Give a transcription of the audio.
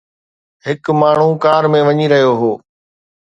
هڪ ماڻهو ڪار ۾ وڃي رهيو هو